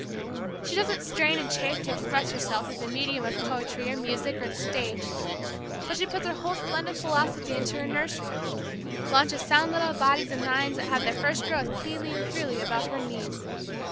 She doesn't strain and chafe to express herself through the medium of poetry or music or the stage, but she puts her whole splendid philosophy into her nursery launches sound little bodies and minds that have their first growth cleanly and purely about her knees.